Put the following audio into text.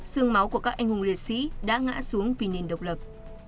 sương máu của các anh hùng liệt sĩ đã ngã xuống vì nền độc lập